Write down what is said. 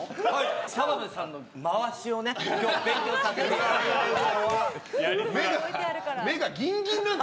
澤部さんの回しをね今日は勉強させていただいて。